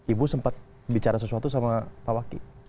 ibu sempat bicara sesuatu sama pak waki